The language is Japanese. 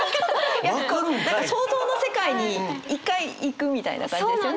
想像の世界に一回行くみたいな感じですよね？